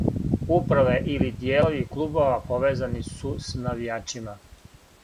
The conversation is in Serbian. Управе или дијелови клубова повезани су с навијачима.